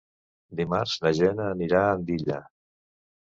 Dimarts na Gemma anirà a Andilla.